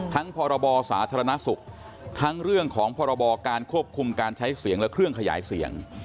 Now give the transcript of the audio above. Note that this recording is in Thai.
พรบสาธารณสุขทั้งเรื่องของพรบการควบคุมการใช้เสียงและเครื่องขยายเสียง